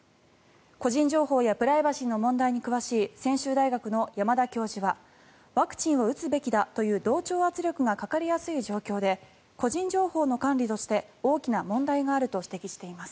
個人情報やプライバシーの問題に詳しい専修大学の山田教授はワクチンを打つべきだという同調圧力がかかりやすい状況で個人情報の管理として大きな問題があると指摘しています。